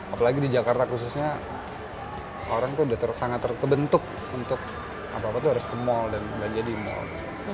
apalagi di jakarta khususnya orang tuh udah sangat terbentuk untuk apa apa tuh harus ke mal dan belanja di mall